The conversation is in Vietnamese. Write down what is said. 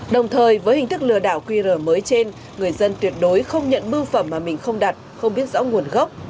đồng thời với hình thức lừa đảo qr mới trên người dân tuyệt đối không nhận bưu phẩm mà mình không đặt không biết rõ nguồn gốc